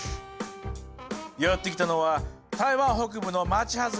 やって来たのは台湾北部の町外れ。